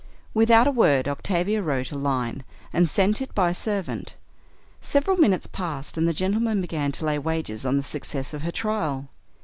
Without a word Octavia wrote a line and sent it by a servant. Several minutes passed, and the gentlemen began to lay wagers on the success of her trial.